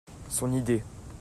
Son idée.